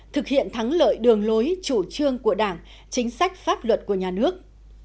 thực hiện thắng lợi đường lối chủ trương của đảng